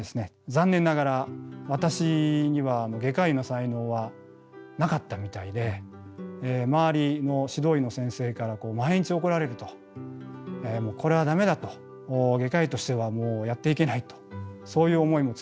残念ながら私には外科医の才能はなかったみたいで周りの指導医の先生から毎日怒られるとこれはダメだと外科医としてはもうやっていけないとそういう思いも強くなりました。